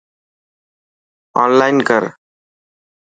اونلائن ڪر.